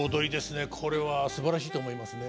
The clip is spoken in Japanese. これはすばらしいと思いますね。